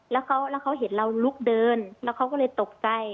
แล้วเขาเห็นเราลุกเดินแล้วเขาก็เลยตกใจ